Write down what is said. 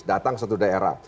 datang satu daerah